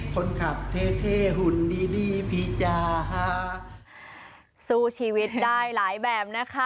คนขับเท่เท่หุ่นดีดีพิจาสู้ชีวิตได้หลายแบบนะคะ